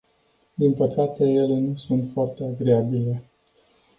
Din păcate, ele nu sunt foarte agreabile.